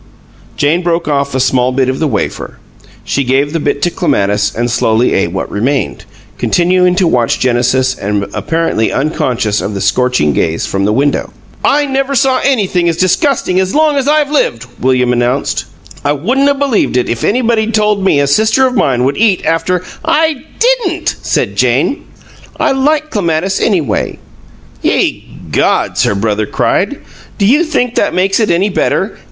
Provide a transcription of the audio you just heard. Jane broke off a small bit of the wafer. She gave the bit to Clematis and slowly ate what remained, continuing to watch Genesis and apparently unconscious of the scorching gaze from the window. "I never saw anything as disgusting as long as I've lived!" William announced. "I wouldn't 'a' believed it if anybody'd told me a sister of mine would eat after " "I didn't," said Jane. "I like Clematis, anyway." "Ye gods!" her brother cried. "Do you think that makes it any better?